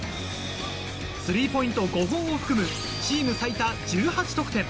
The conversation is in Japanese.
スリーポイント５本を含むチーム最多１８得点。